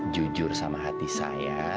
jujur sama hati saya